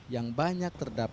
yang banyak terdapat